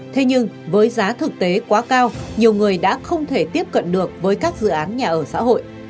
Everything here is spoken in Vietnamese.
thế nhưng với giá thực tế quá cao nhiều người đã không thể tiếp cận được với các dự án nhà ở xã hội